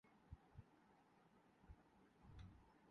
انگریزوں کے حوالے سے۔